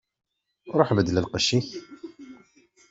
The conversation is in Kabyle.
Ṛuḥ beddel lqecc-ik.